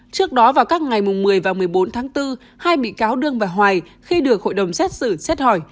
trước đó vào các ngày một mươi và một mươi bốn tháng bốn hai bị cáo đương và hoài khi được hội đồng xét xử xét hỏi